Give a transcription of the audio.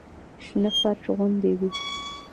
شنه فرش غوندې وي.